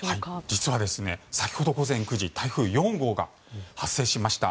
実は、先ほど午前９時台風４号が発生しました。